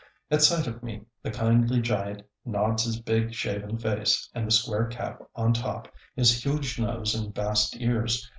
At sight of me the kindly giant nods his big, shaven face, and the square cap on top, his huge nose and vast ears.